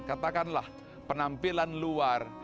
katakanlah penampilan luar